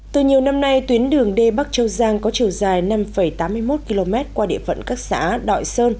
từ nhiều năm nay tuyến đường d bắc châu giang có chiều dài năm tám mươi một km qua địa phận các xã đội sơn